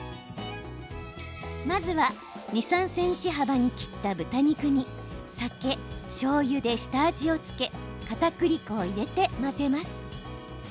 まずは２、３ｃｍ幅に切った豚肉に酒、しょうゆで下味を付けかたくり粉を入れて混ぜます。